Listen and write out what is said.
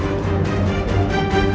b lanju landasnya yang sama